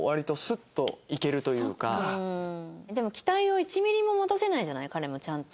でも期待を１ミリも持たせないじゃない彼もちゃんと。